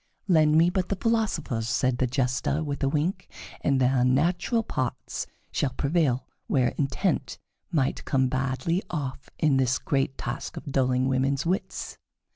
"Lend me but the philosophers," said the Jester, with a wink, "and their natural parts shall prevail where intent might come badly off in this great task of dulling women's wits."